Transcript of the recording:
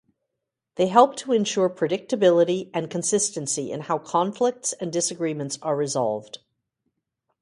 They help to ensure predictability and consistency in how conflicts and disagreements are resolved.